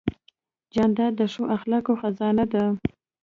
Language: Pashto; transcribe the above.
جانداد د ښو اخلاقو خزانه ده.